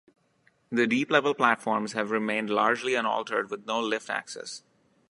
The deep-level platforms have remained largely unaltered with no lift access.